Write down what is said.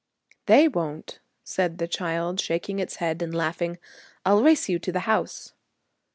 'They won't,' said the child, shaking its head and laughing. 'I'll race you to the house!'